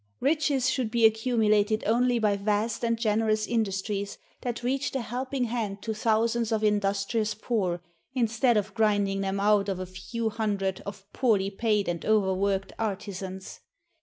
Riches should be accumulated only by vast and generous industries that reached a helping hand to thousands of industrious poor, instead of grinding them out of a few hundred of poorly paid and over worked artisans.